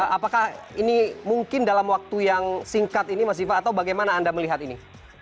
apakah ini mungkin dalam waktu yang singkat ini mas viva atau bagaimana anda melihat ini